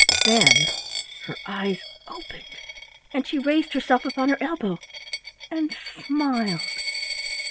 Then her eyes opened and she raised herself upon her elbow and smiled.